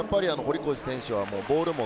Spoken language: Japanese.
堀越選手はボールを